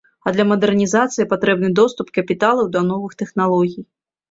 А для мадэрнізацыі патрэбны доступ капіталаў да новых тэхналогій.